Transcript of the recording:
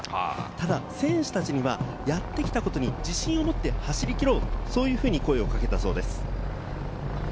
ただ選手たちには、やってきたことに自信を持って走り切ろう、そういうふうに声をかけたそうです。